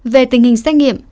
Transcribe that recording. về tình hình xét nghiệm